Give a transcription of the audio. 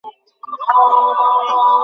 গুপ্তচরদের শুধু লালন করা যায়।